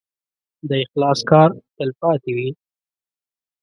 د اخلاص کار تل پاتې وي.